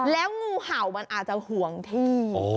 แล้วงูเห่ามันอาจจะห่วงที่